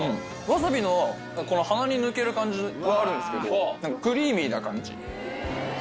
わさびのこの鼻に抜ける感じはあるんですけどクリーミーな感じ。